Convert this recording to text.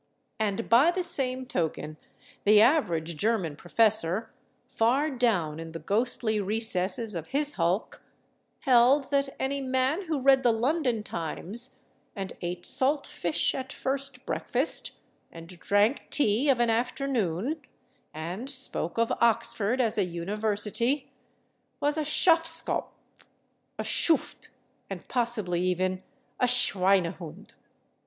And by the same token the average German professor, far down in the ghostly recesses of his hulk, held that any man who read the London Times, and ate salt fish at first breakfast, and drank tea of an afternoon, and spoke of Oxford as a university was a Schafskopf, a Schuft and possibly even a Schweinehund.